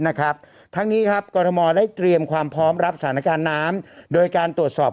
นะครับทั้งนี้ครับกรทมได้เตรียมความพร้อมรับสถานการณ์น้ำโดยการตรวจสอบ